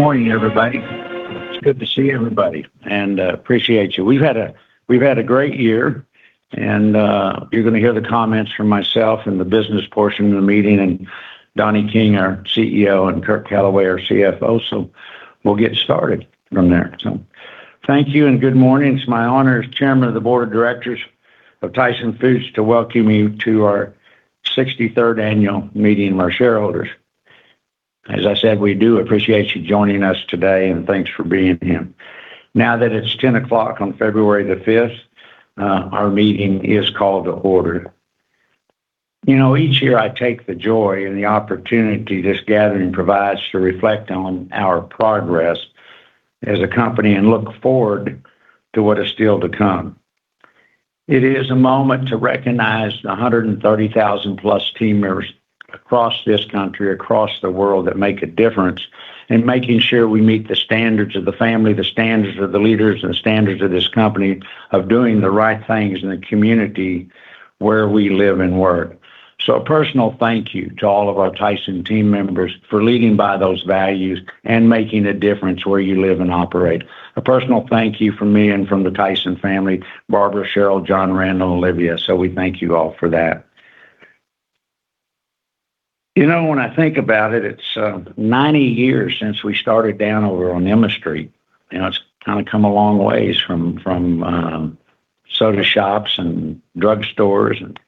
Good morning, everybody. It's good to see everybody, and appreciate you. We've had a great year, and you're going to hear the comments from myself in the business portion of the meeting and Donnie King, our CEO, and Curt Calaway, our CFO, so we'll get started from there. So thank you and good morning. It's my honor, as Chairman of the Board of Directors of Tyson Foods, to welcome you to our 63rd annual meeting of our shareholders. As I said, we do appreciate you joining us today, and thanks for being here. Now that it's 10:00 A.M. on February the 5th, our meeting is called to order. You know, each year I take the joy and the opportunity this gathering provides to reflect on our progress as a company and look forward to what is still to come. It is a moment to recognize the 130,000-plus team members across this country, across the world, that make a difference in making sure we meet the standards of the family, the standards of the leaders, and the standards of this company of doing the right things in the community where we live and work. So a personal thank you to all of our Tyson team members for leading by those values and making a difference where you live and operate. A personal thank you from me and from the Tyson family: Barbara, Cheryl, John Randall, Olivia. So we thank you all for that. You know, when I think about it, it's 90 years since we started down over on Emma Street. You know, it's kind of come a long ways from soda shops and drug stores and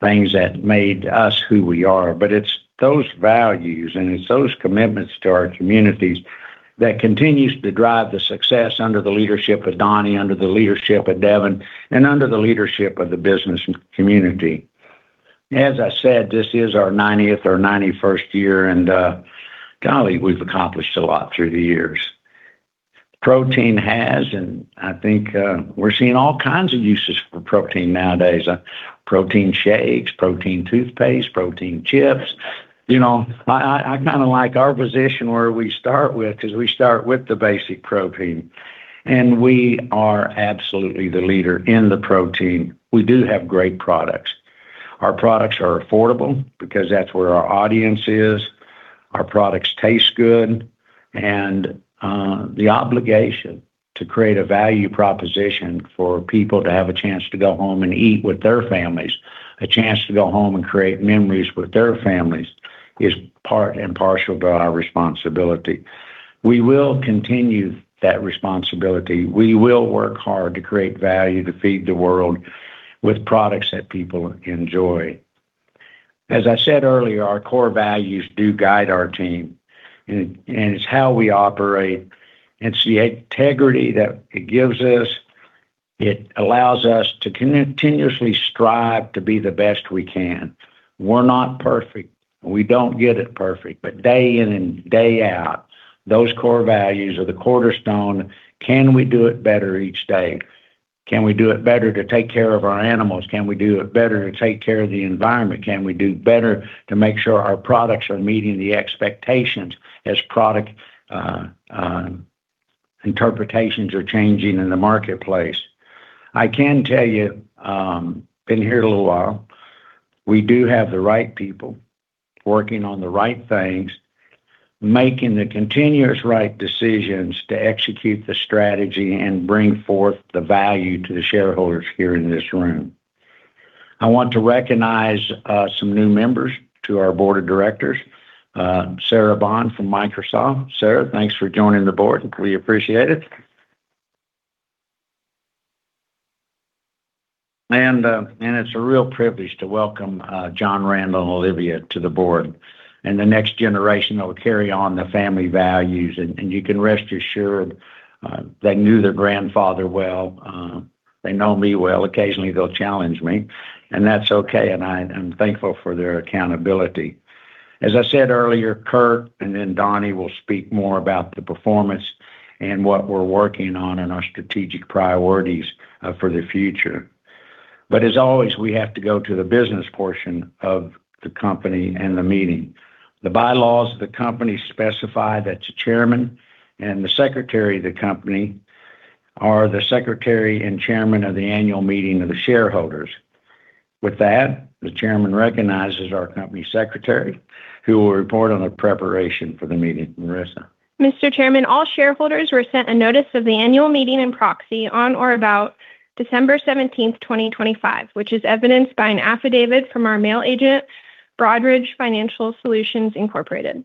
things that made us who we are. But it's those values and it's those commitments to our communities that continues to drive the success under the leadership of Donnie, under the leadership of Devin, and under the leadership of the business community. As I said, this is our 90th or 91st year, and, golly, we've accomplished a lot through the years. Protein has, and I think, we're seeing all kinds of uses for protein nowadays: protein shakes, protein toothpaste, protein chips. You know, I kind of like our position where we start with because we start with the basic protein, and we are absolutely the leader in the protein. We do have great products. Our products are affordable because that's where our audience is. Our products taste good. The obligation to create a value proposition for people to have a chance to go home and eat with their families, a chance to go home and create memories with their families, is part and parcel to our responsibility. We will continue that responsibility. We will work hard to create value, to feed the world with products that people enjoy. As I said earlier, our core values do guide our team, and it and it's how we operate. It's the integrity that it gives us. It allows us to continuously strive to be the best we can. We're not perfect, and we don't get it perfect, but day in and day out, those core values are the cornerstone. Can we do it better each day? Can we do it better to take care of our animals? Can we do it better to take care of the environment? Can we do better to make sure our products are meeting the expectations as product interpretations are changing in the marketplace? I can tell you, been here a little while. We do have the right people working on the right things, making the continuous right decisions to execute the strategy and bring forth the value to the shareholders here in this room. I want to recognize some new members to our Board of Directors, Sarah Bond from Microsoft. Sarah, thanks for joining the board. We appreciate it. And it's a real privilege to welcome John Randall and Olivia to the board. And the next generation that will carry on the family values, and you can rest assured, they knew their grandfather well. They know me well. Occasionally, they'll challenge me, and that's okay. And I am thankful for their accountability. As I said earlier, Curt and then Donnie will speak more about the performance and what we're working on and our strategic priorities, for the future. But as always, we have to go to the business portion of the company and the meeting. The bylaws of the company specify that the chairman and the secretary of the company are the secretary and chairman of the annual meeting of the shareholders. With that, the chairman recognizes our company secretary, who will report on the preparation for the meeting. Marissa. Mr. Chairman, all shareholders were sent a notice of the annual meeting in proxy on or about December 17th, 2025, which is evidenced by an affidavit from our mail agent, Broadridge Financial Solutions, Inc.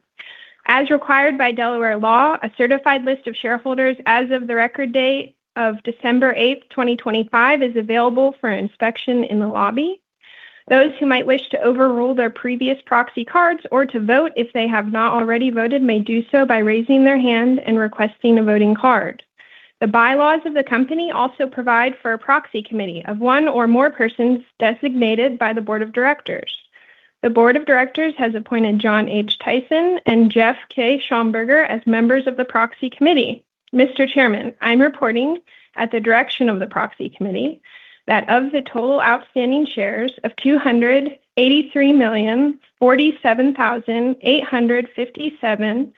As required by Delaware law, a certified list of shareholders as of the record date of December 8th, 2025, is available for inspection in the lobby. Those who might wish to overrule their previous proxy cards or to vote, if they have not already voted, may do so by raising their hand and requesting a voting card. The bylaws of the company also provide for a proxy committee of one or more persons designated by the Board of Directors. The Board of Directors has appointed John H. Tyson and Jeff K. Schomburger as members of the proxy committee. Mr. Chairman, I'm reporting at the direction of the proxy committee that of the total outstanding shares of 283,047,857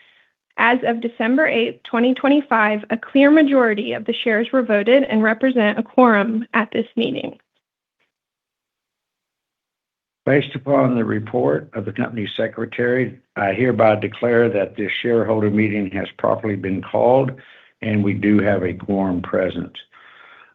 as of December 8th, 2025, a clear majority of the shares were voted and represent a quorum at this meeting. Based upon the report of the company secretary, I hereby declare that this shareholder meeting has properly been called, and we do have a quorum present.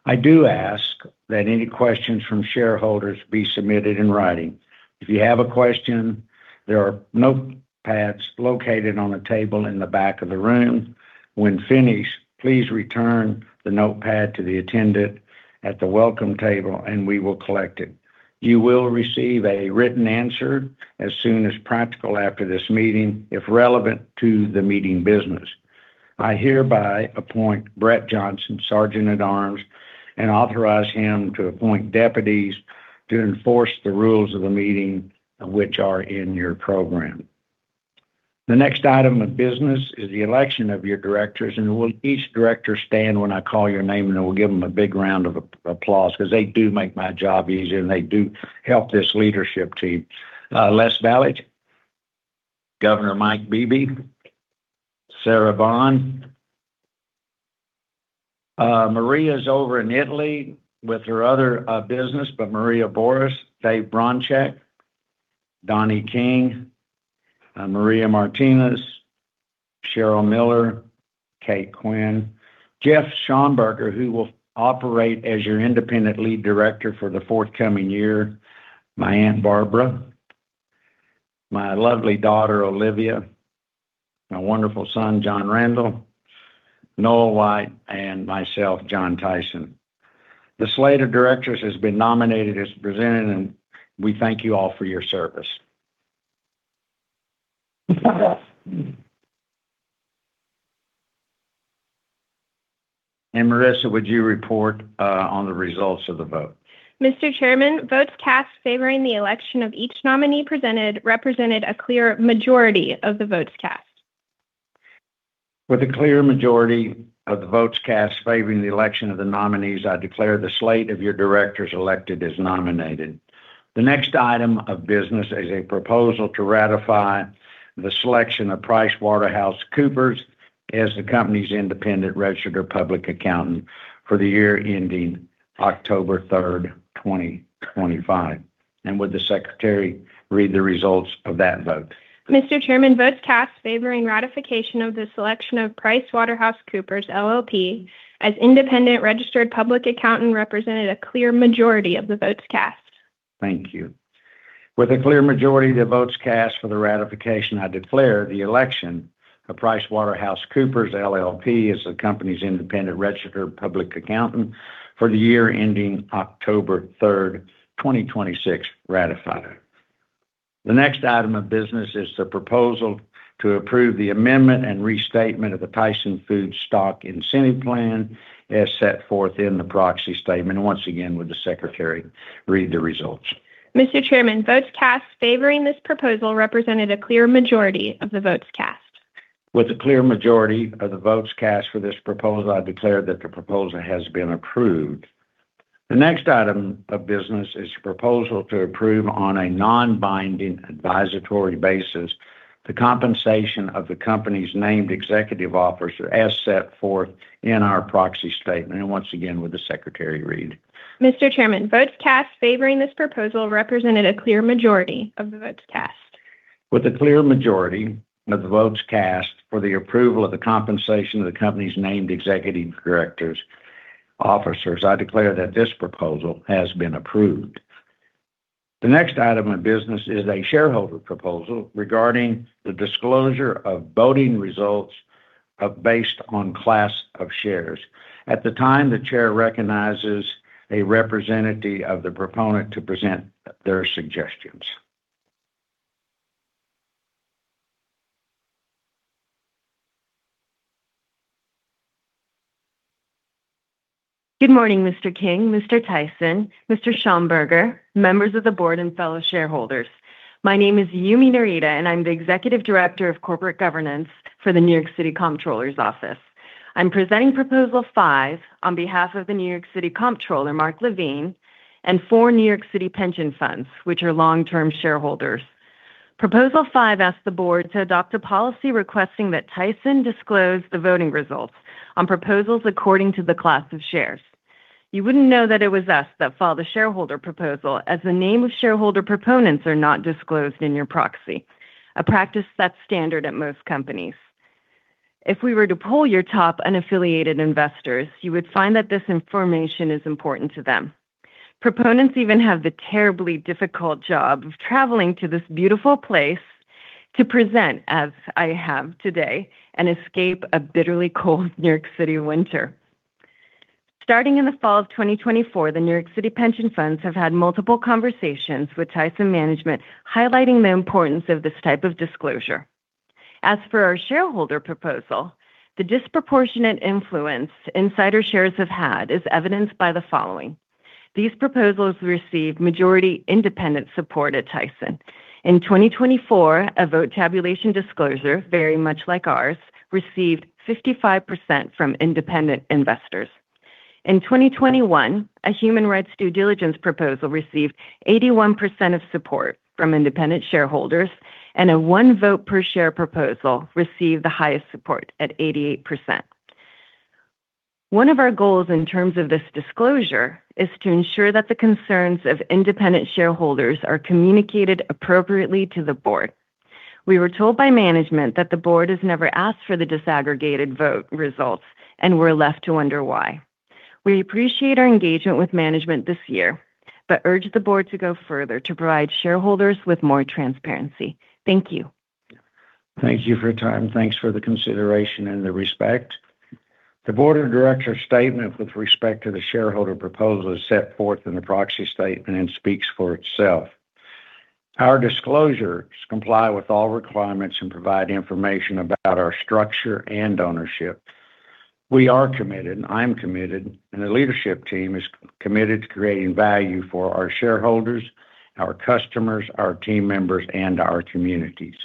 I do ask that any questions from shareholders be submitted in writing. If you have a question, there are note pads located on the table in the back of the room. When finished, please return the notepad to the attendant at the welcome table, and we will collect it. You will receive a written answer as soon as practical after this meeting, if relevant to the meeting business. I hereby appoint Brett Johnson, Sergeant at Arms, and authorize him to appoint deputies to enforce the rules of the meeting, which are in your program. The next item of business is the election of your directors, and will each director stand when I call your name? And I will give them a big round of applause because they do make my job easier, and they do help this leadership team. Les Baledge. Governor Mike Beebe. Sarah Bond. Maria's over in Italy with her other business, but Maria Borras, Dave Bronczek, Donnie King, Maria Martinez, Cheryl Miller, Kate Quinn, Jeff Schomburger, who will operate as your independent lead director for the forthcoming year, my Aunt Barbara, my lovely daughter Olivia, my wonderful son John Randall, Noel White, and myself, John Tyson. The slate of directors has been nominated as presented, and we thank you all for your service. And Marissa, would you report on the results of the vote? Mr. Chairman, votes cast favoring the election of each nominee presented represented a clear majority of the votes cast. With a clear majority of the votes cast favoring the election of the nominees, I declare the slate of your directors elected as nominated. The next item of business is a proposal to ratify the selection of PricewaterhouseCoopers as the company's independent registered public accountant for the year ending October 3rd, 2025. Would the secretary read the results of that vote? Mr. Chairman, votes cast favoring ratification of the selection of PricewaterhouseCoopers, LLP, as independent registered public accountant represented a clear majority of the votes cast. Thank you. With a clear majority of the votes cast for the ratification, I declare the election of PricewaterhouseCoopers LLP as the company's independent registered public accountant for the year ending October 3rd, 2026, ratified. The next item of business is the proposal to approve the amendment and restatement of the Tyson Foods Stock Incentive Plan as set forth in the proxy statement. And once again, would the secretary read the results? Mr. Chairman, votes cast favoring this proposal represented a clear majority of the votes cast. With a clear majority of the votes cast for this proposal, I declare that the proposal has been approved. The next item of business is a proposal to approve on a non-binding advisory basis the compensation of the company's named executive officer as set forth in our proxy statement. Once again, would the secretary read? Mr. Chairman, votes cast favoring this proposal represented a clear majority of the votes cast. With a clear majority of the votes cast for the approval of the compensation of the company's named executive officers, I declare that this proposal has been approved. The next item of business is a shareholder proposal regarding the disclosure of voting results based on class of shares. At this time, the chair recognizes a representative of the proponent to present their suggestions. Good morning, Mr. King, Mr. Tyson, Mr. Schomburger, members of the board, and fellow shareholders. My name is Yumi Narita, and I'm the executive director of corporate governance for the New York City Comptroller's Office. I'm presenting Proposal five on behalf of the New York City Comptroller, Mark Levine, and four New York City pension funds, which are long-term shareholders. Proposal five asks the board to adopt a policy requesting that Tyson disclose the voting results on proposals according to the class of shares. You wouldn't know that it was us that filed the shareholder proposal, as the name of shareholder proponents are not disclosed in your proxy, a practice that's standard at most companies. If we were to pull your top unaffiliated investors, you would find that this information is important to them. Proponents even have the terribly difficult job of traveling to this beautiful place to present, as I have today, and escape a bitterly cold New York City winter. Starting in the fall of 2024, the New York City Pension Funds have had multiple conversations with Tyson management highlighting the importance of this type of disclosure. As for our shareholder proposal, the disproportionate influence insider shares have had is evidenced by the following. These proposals received majority independent support at Tyson. In 2024, a vote tabulation disclosure, very much like ours, received 55% from independent investors. In 2021, a human rights due diligence proposal received 81% of support from independent shareholders, and a one vote per share proposal received the highest support at 88%. One of our goals in terms of this disclosure is to ensure that the concerns of independent shareholders are communicated appropriately to the board. We were told by management that the board has never asked for the disaggregated vote results and were left to wonder why. We appreciate our engagement with management this year, but urge the board to go further to provide shareholders with more transparency. Thank you. Thank you for your time. Thanks for the consideration and the respect. The board of directors' statement with respect to the shareholder proposal is set forth in the proxy statement and speaks for itself. Our disclosures comply with all requirements and provide information about our structure and ownership. We are committed, and I'm committed, and the leadership team is committed to creating value for our shareholders, our customers, our team members, and our communities.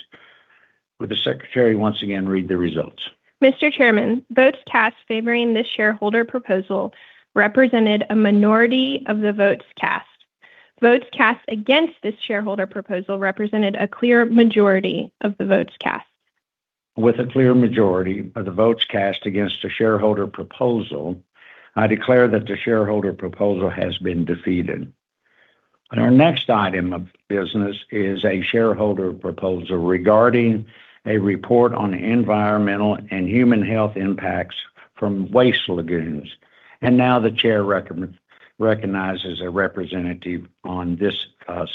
Would the secretary once again read the results? Mr. Chairman, votes cast favoring this shareholder proposal represented a minority of the votes cast. Votes cast against this shareholder proposal represented a clear majority of the votes cast. With a clear majority of the votes cast against the shareholder proposal, I declare that the shareholder proposal has been defeated. Our next item of business is a shareholder proposal regarding a report on environmental and human health impacts from waste lagoons. Now the chair recognizes a representative on this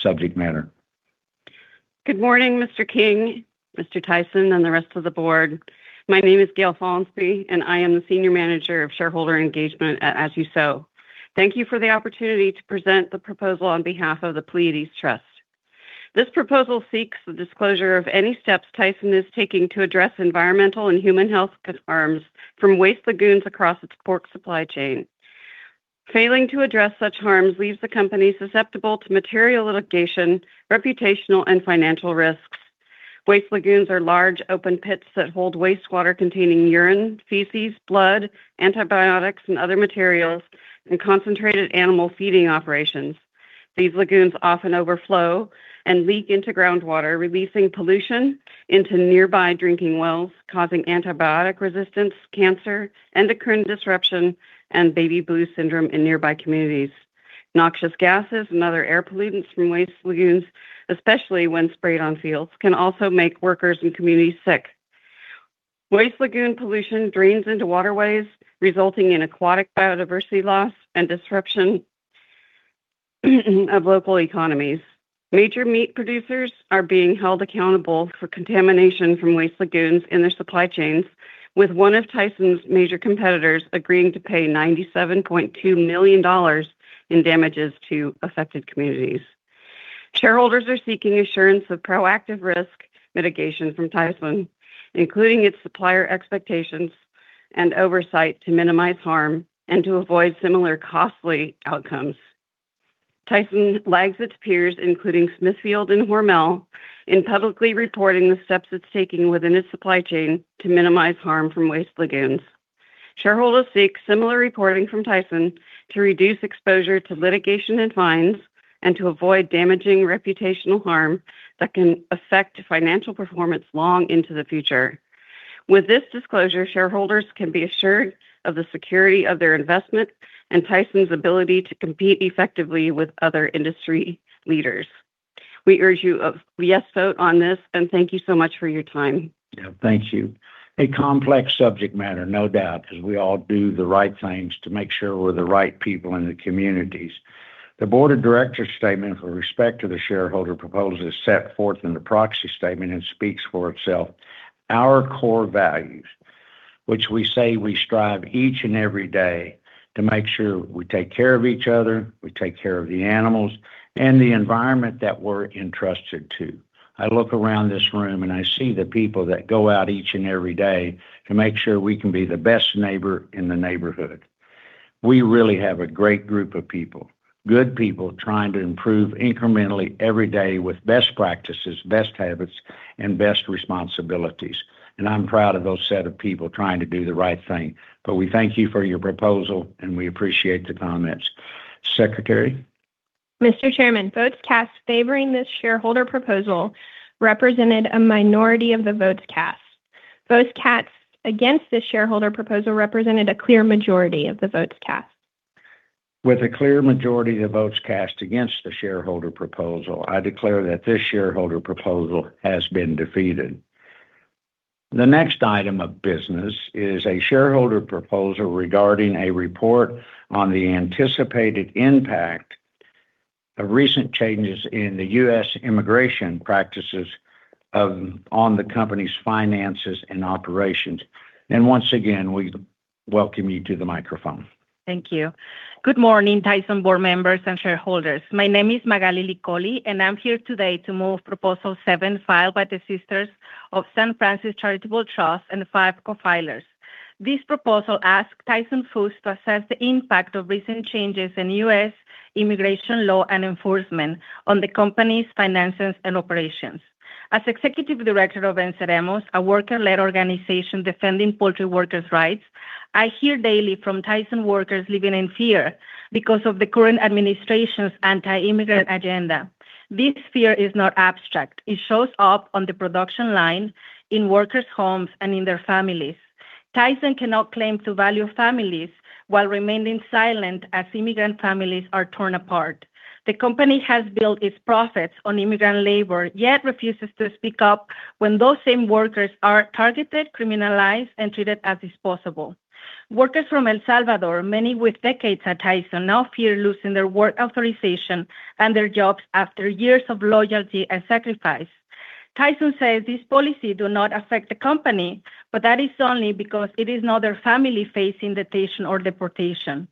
subject matter. Good morning, Mr. King, Mr. Tyson, and the rest of the board. My name is Gail Follansbee, and I am the senior manager of shareholder engagement at As You Sow. Thank you for the opportunity to present the proposal on behalf of the Pleiades Trust. This proposal seeks the disclosure of any steps Tyson is taking to address environmental and human health harms from waste lagoons across its pork supply chain. Failing to address such harms leaves the company susceptible to material litigation, reputational, and financial risks. Waste lagoons are large, open pits that hold wastewater containing urine, feces, blood, antibiotics, and other materials, and concentrated animal feeding operations. These lagoons often overflow and leak into groundwater, releasing pollution into nearby drinking wells, causing antibiotic resistance, cancer, endocrine disruption, and blue baby syndrome in nearby communities. Noxious gases and other air pollutants from waste lagoons, especially when sprayed on fields, can also make workers and communities sick. Waste lagoon pollution drains into waterways, resulting in aquatic biodiversity loss and disruption of local economies. Major meat producers are being held accountable for contamination from waste lagoons in their supply chains, with one of Tyson's major competitors agreeing to pay $97.2 million in damages to affected communities. Shareholders are seeking assurance of proactive risk mitigation from Tyson, including its supplier expectations and oversight to minimize harm and to avoid similar costly outcomes. Tyson lags its peers, including Smithfield and Hormel, in publicly reporting the steps it's taking within its supply chain to minimize harm from waste lagoons. Shareholders seek similar reporting from Tyson to reduce exposure to litigation and fines and to avoid damaging reputational harm that can affect financial performance long into the future. With this disclosure, shareholders can be assured of the security of their investment and Tyson's ability to compete effectively with other industry leaders. We urge you to yes vote on this, and thank you so much for your time. Yeah, thank you. A complex subject matter, no doubt, because we all do the right things to make sure we're the right people in the communities. The Board of Directors' statement with respect to the shareholder proposal is set forth in the proxy statement and speaks for itself. Our core values, which we say we strive each and every day to make sure we take care of each other, we take care of the animals, and the environment that we're entrusted to. I look around this room, and I see the people that go out each and every day to make sure we can be the best neighbor in the neighborhood. We really have a great group of people, good people trying to improve incrementally every day with best practices, best habits, and best responsibilities. I'm proud of those set of people trying to do the right thing. But we thank you for your proposal, and we appreciate the comments. Secretary? Mr. Chairman, votes cast favoring this shareholder proposal represented a minority of the votes cast. Votes cast against this shareholder proposal represented a clear majority of the votes cast. With a clear majority of the votes cast against the shareholder proposal, I declare that this shareholder proposal has been defeated. The next item of business is a shareholder proposal regarding a report on the anticipated impact of recent changes in the U.S. immigration practices on the company's finances and operations. Once again, we welcome you to the microphone. Thank you. Good morning, Tyson board members and shareholders. My name is Magaly Licolli, and I'm here today to move Proposal seven filed by the Sisters of St. Francis Charitable Trust and five co-filers. This proposal asks Tyson Foods to assess the impact of recent changes in U.S. immigration law and enforcement on the company's finances and operations. As executive director of Venceremos, a worker-led organization defending poultry workers' rights, I hear daily from Tyson workers living in fear because of the current administration's anti-immigrant agenda. This fear is not abstract. It shows up on the production line in workers' homes and in their families. Tyson cannot claim to value families while remaining silent as immigrant families are torn apart. The company has built its profits on immigrant labor, yet refuses to speak up when those same workers are targeted, criminalized, and treated as disposable. Workers from El Salvador, many with decades at Tyson, now fear losing their work authorization and their jobs after years of loyalty and sacrifice. Tyson says this policy does not affect the company, but that is only because it is not their family facing detention or deportation.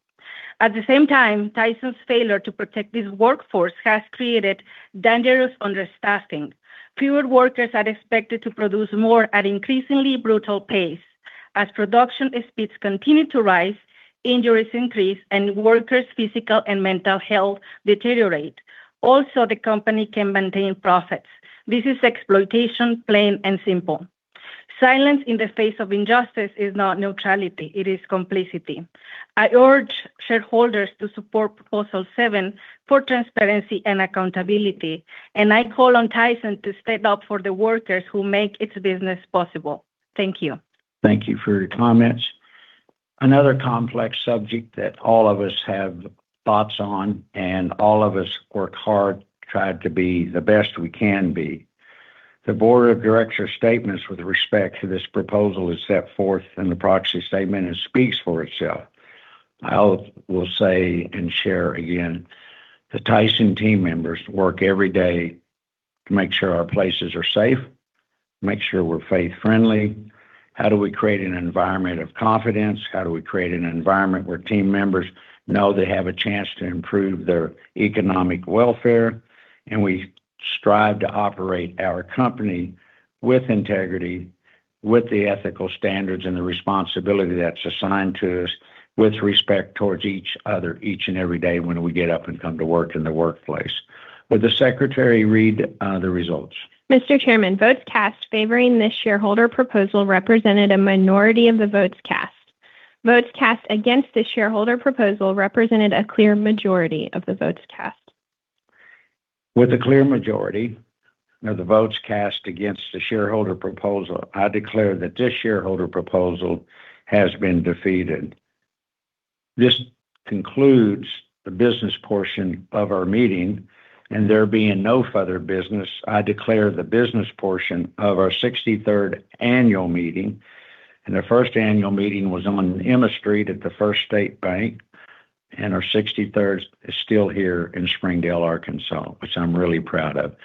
At the same time, Tyson's failure to protect this workforce has created dangerous understaffing. Fewer workers are expected to produce more at an increasingly brutal pace. As production speeds continue to rise, injuries increase, and workers' physical and mental health deteriorate. Also, the company can maintain profits. This is exploitation, plain and simple. Silence in the face of injustice is not neutrality. It is complicity. I urge shareholders to support Proposal seven for transparency and accountability, and I call on Tyson to stand up for the workers who make its business possible. Thank you. Thank you for your comments. Another complex subject that all of us have thoughts on, and all of us work hard, try to be the best we can be. The Board of Directors' statements with respect to this proposal is set forth in the proxy statement and speaks for itself. I will say and share again, the Tyson team members work every day to make sure our places are safe, to make sure we're faith-friendly. How do we create an environment of confidence? How do we create an environment where team members know they have a chance to improve their economic welfare? And we strive to operate our company with integrity, with the ethical standards and the responsibility that's assigned to us, with respect towards each other, each and every day when we get up and come to work in the workplace. Would the secretary read the results? Mr. Chairman, votes cast favoring this shareholder proposal represented a minority of the votes cast. Votes cast against this shareholder proposal represented a clear majority of the votes cast. With a clear majority of the votes cast against the shareholder proposal, I declare that this shareholder proposal has been defeated. This concludes the business portion of our meeting, and there being no further business, I declare the business portion of our 63rd annual meeting. The first annual meeting was on Emma Street at the First State Bank, and our 63rd is still here in Springdale, Arkansas, which I'm really proud of.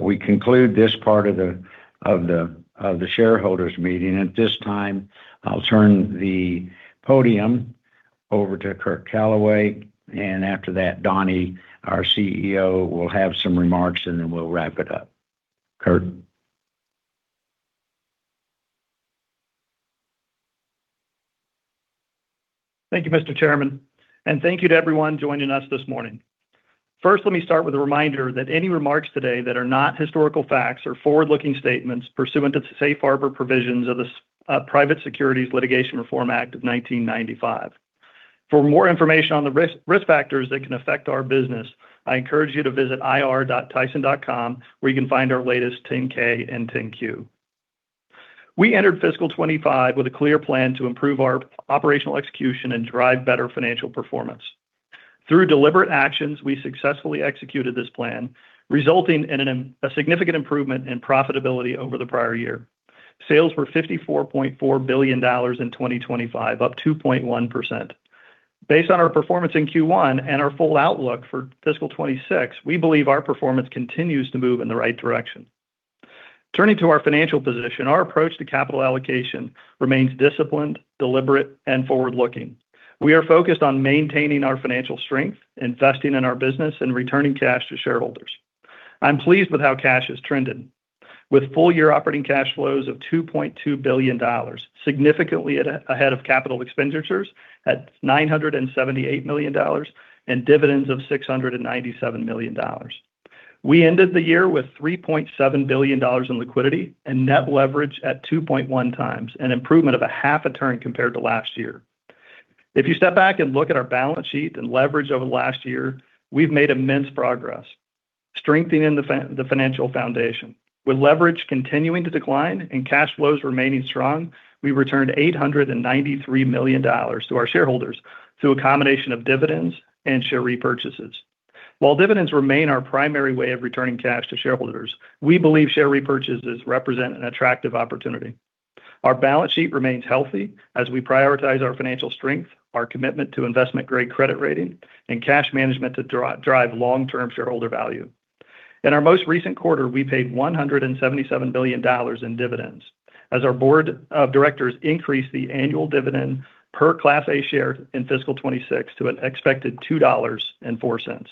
We conclude this part of the shareholders' meeting. At this time, I'll turn the podium over to Curt Calaway. After that, Donnie, our CEO, will have some remarks, and then we'll wrap it up. Kurt? Thank you, Mr. Chairman. Thank you to everyone joining us this morning. First, let me start with a reminder that any remarks today that are not historical facts are forward-looking statements pursuant to the Safe Harbor provisions of the Private Securities Litigation Reform Act of 1995. For more information on the risk factors that can affect our business, I encourage you to visit ir.tyson.com, where you can find our latest 10-K and 10-Q. We entered fiscal 2025 with a clear plan to improve our operational execution and drive better financial performance. Through deliberate actions, we successfully executed this plan, resulting in a significant improvement in profitability over the prior year. Sales were $54.4 billion in 2025, up 2.1%. Based on our performance in Q1 and our full outlook for fiscal 2026, we believe our performance continues to move in the right direction. Turning to our financial position, our approach to capital allocation remains disciplined, deliberate, and forward-looking. We are focused on maintaining our financial strength, investing in our business, and returning cash to shareholders. I'm pleased with how cash has trended, with full-year operating cash flows of $2.2 billion, significantly ahead of capital expenditures at $978 million and dividends of $697 million. We ended the year with $3.7 billion in liquidity and net leverage at 2.1 times, an improvement of a half a turn compared to last year. If you step back and look at our balance sheet and leverage over the last year, we've made immense progress, strengthening the financial foundation. With leverage continuing to decline and cash flows remaining strong, we returned $893 million to our shareholders through a combination of dividends and share repurchases. While dividends remain our primary way of returning cash to shareholders, we believe share repurchases represent an attractive opportunity. Our balance sheet remains healthy as we prioritize our financial strength, our commitment to investment-grade credit rating, and cash management to drive long-term shareholder value. In our most recent quarter, we paid $177 billion in dividends as our board of directors increased the annual dividend per Class A share in fiscal 2026 to an expected $2.04.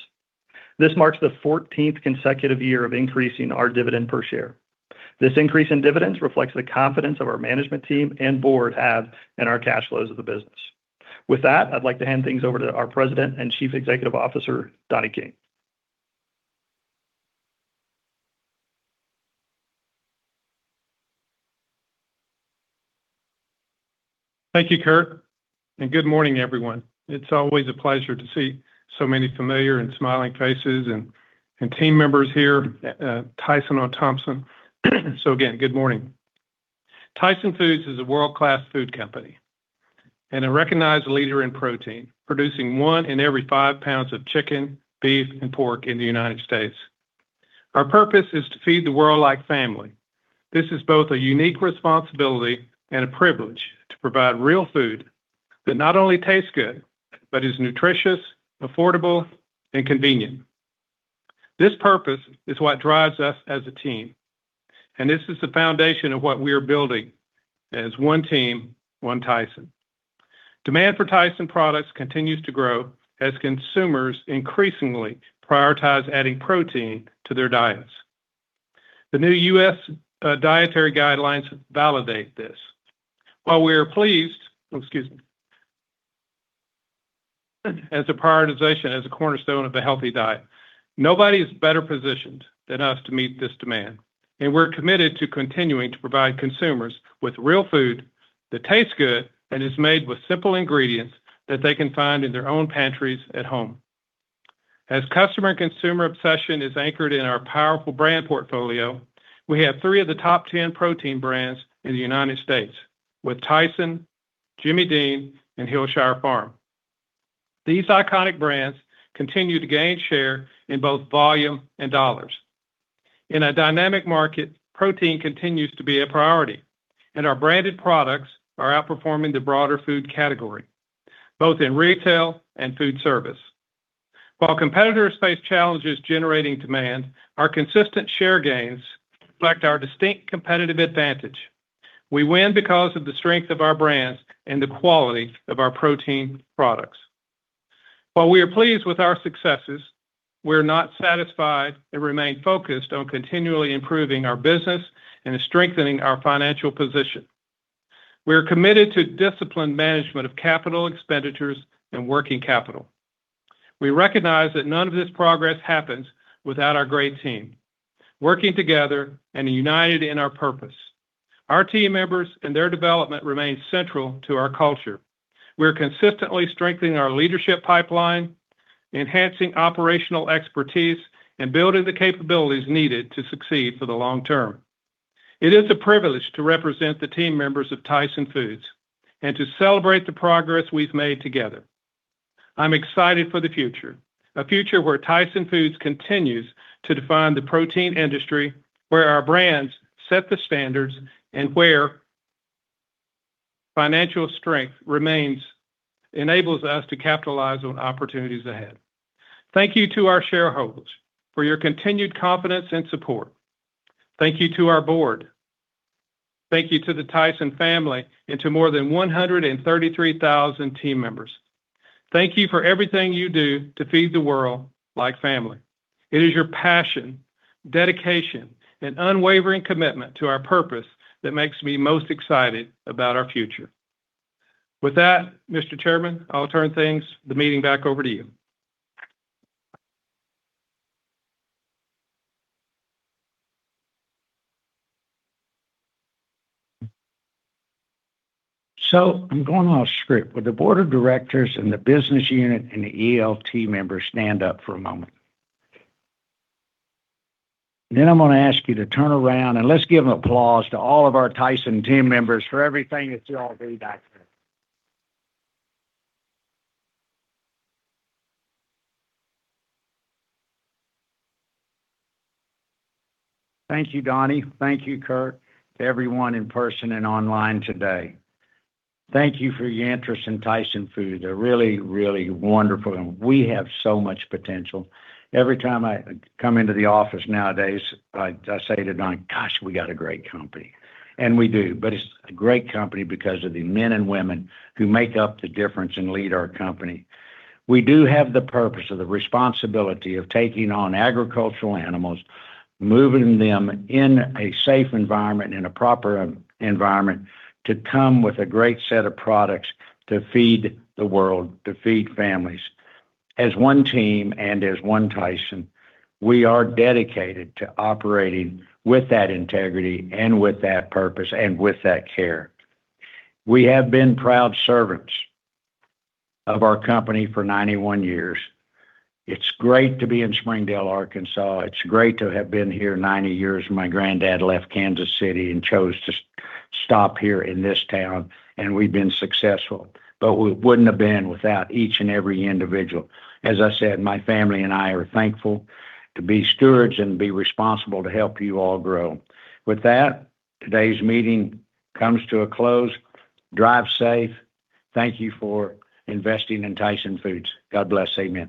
This marks the 14th consecutive year of increasing our dividend per share. This increase in dividends reflects the confidence our management team and board have in our cash flows of the business. With that, I'd like to hand things over to our President and Chief Executive Officer, Donnie King. Thank you, Curt. Good morning, everyone. It's always a pleasure to see so many familiar and smiling faces and team members here, Tyson on Thompson. Again, good morning. Tyson Foods is a world-class food company and a recognized leader in protein, producing one in every five pounds of chicken, beef, and pork in the United States. Our purpose is to feed the world like family. This is both a unique responsibility and a privilege to provide real food that not only tastes good, but is nutritious, affordable, and convenient. This purpose is what drives us as a team, and this is the foundation of what we are building as one team, one Tyson. Demand for Tyson products continues to grow as consumers increasingly prioritize adding protein to their diets. The new U.S. dietary guidelines validate this. While we are pleased, excuse me. As a prioritization, as a cornerstone of a healthy diet, nobody is better positioned than us to meet this demand. We're committed to continuing to provide consumers with real food that tastes good and is made with simple ingredients that they can find in their own pantries at home. As customer and consumer obsession is anchored in our powerful brand portfolio, we have three of the top 10 protein brands in the United States, with Tyson, Jimmy Dean, and Hillshire Farm. These iconic brands continue to gain share in both volume and dollars. In a dynamic market, protein continues to be a priority, and our branded products are outperforming the broader food category, both in retail and food service. While competitors face challenges generating demand, our consistent share gains reflect our distinct competitive advantage. We win because of the strength of our brands and the quality of our protein products. While we are pleased with our successes, we are not satisfied and remain focused on continually improving our business and strengthening our financial position. We are committed to disciplined management of capital expenditures and working capital. We recognize that none of this progress happens without our great team, working together and united in our purpose. Our team members and their development remain central to our culture. We are consistently strengthening our leadership pipeline, enhancing operational expertise, and building the capabilities needed to succeed for the long term. It is a privilege to represent the team members of Tyson Foods and to celebrate the progress we've made together. I'm excited for the future, a future where Tyson Foods continues to define the protein industry, where our brands set the standards, and where financial strength enables us to capitalize on opportunities ahead. Thank you to our shareholders for your continued confidence and support. Thank you to our board. Thank you to the Tyson family and to more than 133,000 team members. Thank you for everything you do to feed the world like family. It is your passion, dedication, and unwavering commitment to our purpose that makes me most excited about our future. With that, Mr. Chairman, I'll turn the meeting back over to you. So I'm going off script. Would the board of directors and the business unit and the ELT members stand up for a moment? Then I'm going to ask you to turn around and let's give an applause to all of our Tyson team members for everything that you all did out there. Thank you, Donnie. Thank you, Curt, to everyone in person and online today. Thank you for your interest in Tyson Foods. They're really, really wonderful, and we have so much potential. Every time I come into the office nowadays, I say to Donnie, "Gosh, we got a great company." We do, but it's a great company because of the men and women who make up the difference and lead our company. We do have the purpose of the responsibility of taking on agricultural animals, moving them in a safe environment, in a proper environment, to come with a great set of products to feed the world, to feed families. As one team and as one Tyson, we are dedicated to operating with that integrity and with that purpose and with that care. We have been proud servants of our company for 91 years. It's great to be in Springdale, Arkansas. It's great to have been here 90 years. My granddad left Kansas City and chose to stop here in this town, and we've been successful, but we wouldn't have been without each and every individual. As I said, my family and I are thankful to be stewards and be responsible to help you all grow. With that, today's meeting comes to a close. Drive safe. Thank you for investing in Tyson Foods. God bless, Amy.